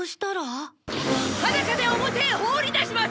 裸で表へ放り出します！